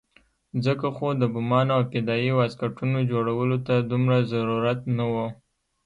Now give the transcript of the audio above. ځکه خو د بمانو او فدايي واسکټونو جوړولو ته دومره ضرورت نه وو.